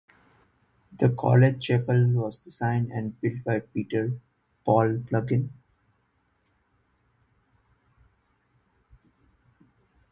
The college chapel was designed and built by Peter Paul Pugin.